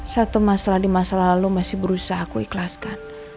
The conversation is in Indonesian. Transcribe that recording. satu masalah di masa lalu masih berusaha aku ikhlaskan